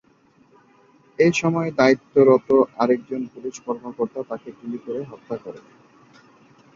এসময় দায়িত্বরত আরেকজন পুলিশ কর্মকর্তা তাকে গুলি করে হত্যা করে।